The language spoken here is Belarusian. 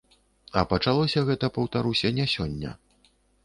А пачалося гэта, паўтаруся, не сёння.